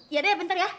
ya udah ya bentar ya